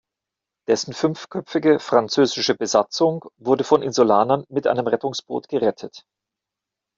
Dessen fünfköpfige französische Besatzung wurde von Insulanern mit einem Rettungsboot gerettet.